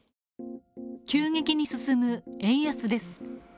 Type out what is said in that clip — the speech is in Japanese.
急激に進む円安です。